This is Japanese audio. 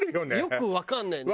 よくわかんないよね。